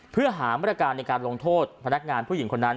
เพื่อหามาตรการในการลงโทษพนักงานผู้หญิงคนนั้น